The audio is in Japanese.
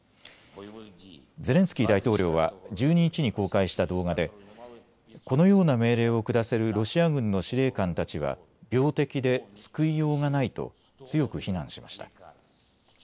ゼレンスキー大統領は１２日に公開した動画でこのような命令を下せるロシア軍の司令官たちは病的で救いようがないと強く非難しました。